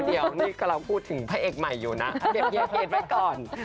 เดี๋ยวนี่กำลังพูดถึงพระเอกใหม่อยู่นะเตรียมเยเพจไว้ก่อน